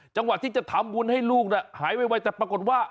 จังหวะที่จะทำวุลให้ลูกเนี่ยหายไว้